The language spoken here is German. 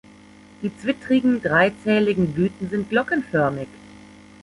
Die zwittrigen, dreizähligen Blüten sind glockenförmig.